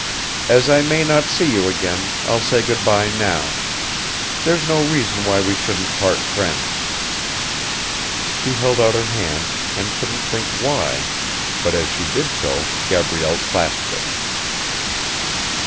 As I may not see you again I'll say good bye now. There's no reason why we shouldn't part friends." She held out her hand, she couldn't think why, but as she did so Gabrielle clasped it.